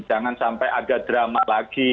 jangan sampai ada drama lagi